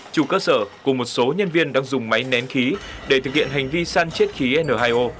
chủ cơ sở cùng một số nhân viên đang dùng máy nén khí để thực hiện hành vi săn chiết khí n hai o